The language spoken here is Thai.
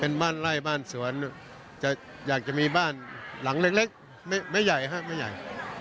เป็นบ้านไล่บ้านสวนอยากจะมีบ้านหลังเล็กไม่ใหญ่